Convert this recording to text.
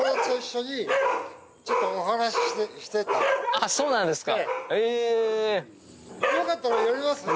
あっそうなんですかへええっ？